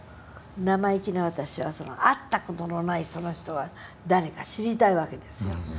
生意気な私は会った事のないその人は誰か知りたいわけですよ。